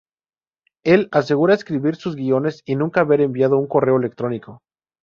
Él asegura escribir sus guiones y nunca haber enviado un correo electrónico.